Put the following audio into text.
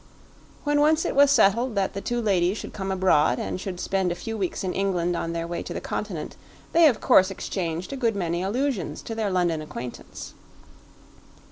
When once it was settled that the two ladies should come abroad and should spend a few weeks in England on their way to the Continent, they of course exchanged a good many allusions to their London acquaintance.